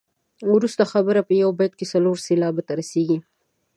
وروسته خبره په یو بیت کې څلور سېلابونو ته رسيږي.